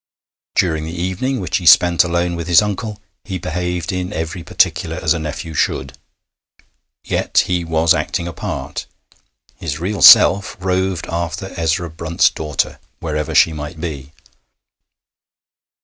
During the evening, which he spent alone with his uncle, he behaved in every particular as a nephew should, yet he was acting a part; his real self roved after Ezra Brunt's daughter, wherever she might be.